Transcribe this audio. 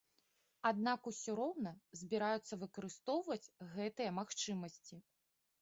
Аднак усё роўна збіраюцца выкарыстоўваць гэтыя магчымасці.